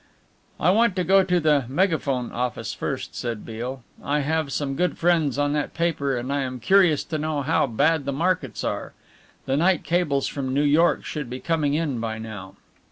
"I want to go to the 'Megaphone' office first," said Beale. "I have some good friends on that paper and I am curious to know how bad the markets are. The night cables from New York should be coming in by now."